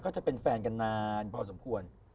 คือเวลานานพอสมควร